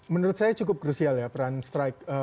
menurut saya cukup krusial ya peran strike